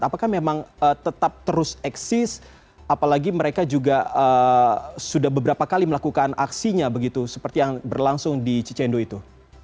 apakah memang tetap terus eksis apalagi mereka juga sudah beberapa kali melakukan aksinya begitu seperti yang berlangsung di cicendo itu